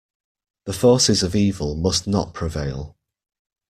The forces of evil must not prevail.